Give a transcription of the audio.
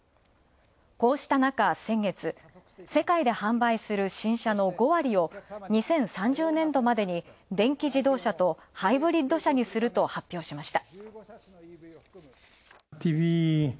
こうしたなか先月、世界で販売する新車の５割を２０３０年度までに電気自動車とハイブリッド車にすると発表しました。